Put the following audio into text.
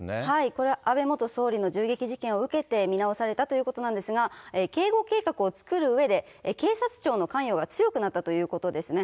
これは安倍元総理の銃撃事件を受けて、見直されたということなんですが、警護計画を作るうえで、警察庁の関与が強くなったということですね。